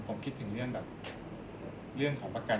ผมคิดถึงเกี่ยวกับของประกันอะไรละ